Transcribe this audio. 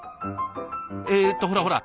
えっとほらほら